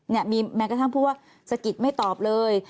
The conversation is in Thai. เนี่ยมีแม้กระทั่งพูดว่าสะกิดไม่ตอบเลย